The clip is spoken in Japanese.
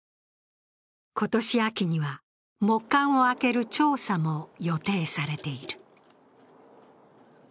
今年秋には木棺を開ける調査も予定されている。